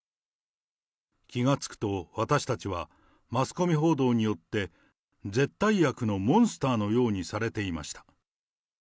気が付くと私たちは、マスコミ報道によって絶対悪のモンスターのようにされていました。